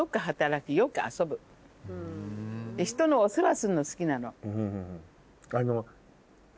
ひとのお世話するの好きなの。